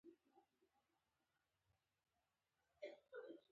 کله چې د بل کس نظر واورئ، هغه ته د پام سره ځواب ورکړئ.